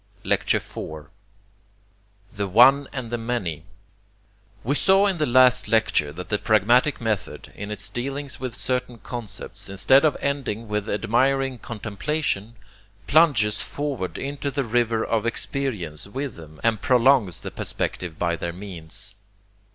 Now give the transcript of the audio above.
Lecture IV The One and the Many We saw in the last lecture that the pragmatic method, in its dealings with certain concepts, instead of ending with admiring contemplation, plunges forward into the river of experience with them and prolongs the perspective by their means.